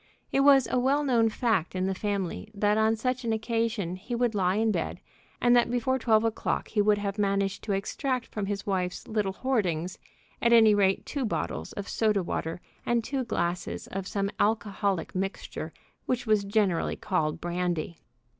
It was a well known fact in the family that on such an occasion he would lie in bed, and that before twelve o'clock he would have managed to extract from his wife's little hoardings at any rate two bottles of soda water and two glasses of some alcoholic mixture which was generally called brandy.